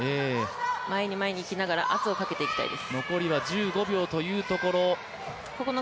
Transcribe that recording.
前に前にいきながら圧をかけていきたいです。